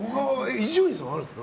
伊集院さんはあるんですか？